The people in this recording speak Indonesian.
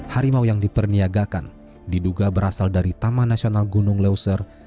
harimau yang diperniagakan diduga berasal dari taman nasional gunung leuser